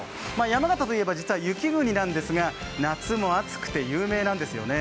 山形といえば実は雪国なんですが夏も暑くて有名なんですよね。